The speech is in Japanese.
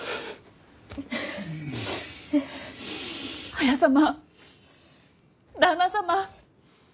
綾様旦那様。